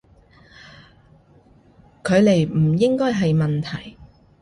距離唔應該係問題